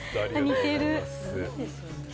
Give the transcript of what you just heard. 似てる！